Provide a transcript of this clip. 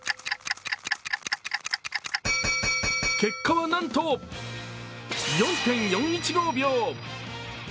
結果は、なんと４．４１５秒。